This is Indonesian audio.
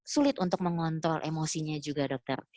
sulit untuk mengontrol emosinya juga dokter